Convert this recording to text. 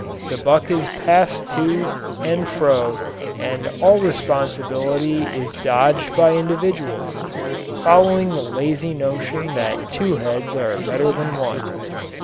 The buck is passed to and fro and all responsibility is dodged by individuals following the lazy notion that two heads are better than one.